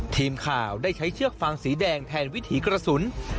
ทีมข่าวได้ใช้เชือกฟางสีแดงแทนวิถีกระสุน